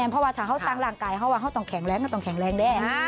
เพราะถ้าเขาตั้งร่างกายเขาต้องแข็งแรงต้องแข็งแรงแดง